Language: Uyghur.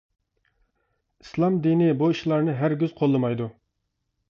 ئىسلام دىنى بۇ ئىشلارنى ھەرگىز قوللىمايدۇ.